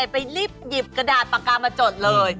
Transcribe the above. ไปรีบหยิบกระดาษปากกามาจดเลย